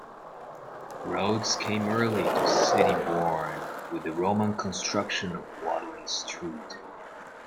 Roads came early to Sittingbourne, with the Roman construction of Watling Street.